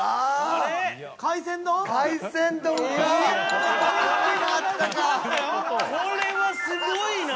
これはすごいな！